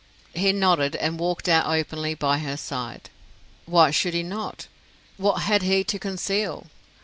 He nodded, and walked out openly by her side. Why should he not? What had he to conceal?